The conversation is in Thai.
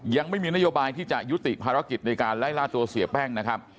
ยังไม่มีนโยบายที่จะยุติภารกิจในการไล่ล่าตัวเสียแป้งนะครับ